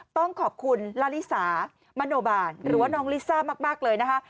ต้องขอบคุณลาลิสามโนบาลหรือว่าน้องลิซ่ามากเลยนะคะ